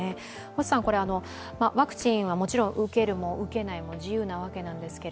星さん、ワクチンはもちろん受けるも受けないも自由なわけですが